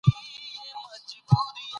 ځینې خلک دا غږونه د کورنۍ غړو غږ ګڼي.